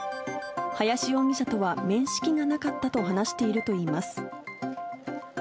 林容疑者とは面識がなかったと話しているといいます。